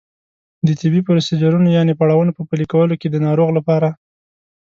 د طبي پروسیجرونو یانې پړاوونو په پلي کولو کې د ناروغ لپاره